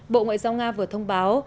bộ ngoại giao nga vừa thông báo